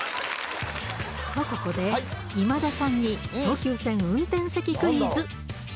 と、ここで今田さんに、東急線運転席クイズ。